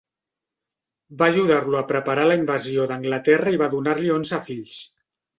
Va ajudar-lo a preparar la invasió d'Anglaterra i va donar-li onze fills.